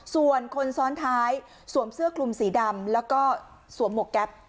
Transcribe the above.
ส่วนคนซ้อนท้ายสวมเสื้อคลุมสีดำแล้วก็สวมหมวกแก๊ป